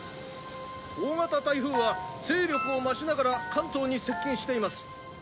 「大型台風は勢力を増しながら関東に接近しています」